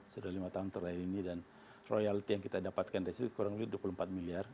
sudah lima tahun terakhir ini dan royalti yang kita dapatkan dari situ kurang lebih dua puluh empat miliar